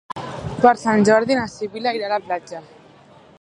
Per Sant Jordi na Sibil·la irà a la platja.